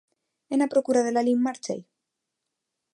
E na procura de Lalín marchei.